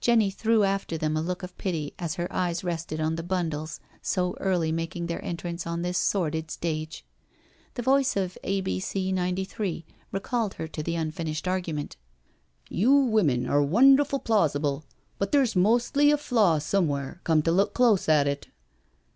Jenny threw after thentf a look of pity as her eyes rested on the Bundles so early making their entrance IN THE COURTYARD 8i on this sordid stage. The voice of A. B. C. 93 recalled her to the unfinished argument. " You women are wonderful plausible, but there's mostly a flaw somewhere, come to look close at it.